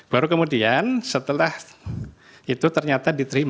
baru kemudian setelah itu ternyata diterima